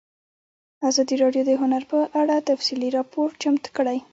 ازادي راډیو د هنر په اړه تفصیلي راپور چمتو کړی.